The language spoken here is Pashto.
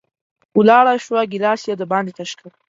ولاړه شوه، ګېلاس یې د باندې تش کړ